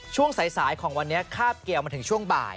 ช่วงสายของวันนี้คาบเกี่ยวมาถึงช่วงบ่าย